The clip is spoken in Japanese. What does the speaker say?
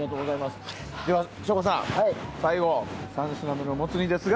省吾さん最後３品目のモツ煮ですが